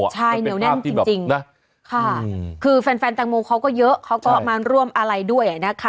ใช่เหนียวแน่นจริงนะค่ะคือแฟนแตงโมเขาก็เยอะเขาก็มาร่วมอะไรด้วยนะคะ